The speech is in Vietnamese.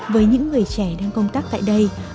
với những người trẻ đang công tác tại đây